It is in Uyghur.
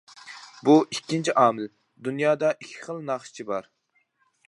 بۇ ئىككىنچى ئامىل، دۇنيادا ئىككى خىل ناخشىچى بار.